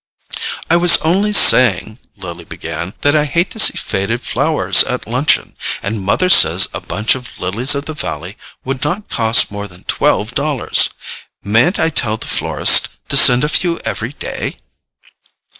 "I was only saying," Lily began, "that I hate to see faded flowers at luncheon; and mother says a bunch of lilies of the valley would not cost more than twelve dollars. Mayn't I tell the florist to send a few every day?"